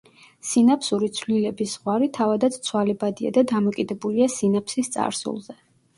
სინაფსური ცვლილების ზღვარი თავადაც ცვალებადია და დამოკიდებულია სინაფსის წარსულზე.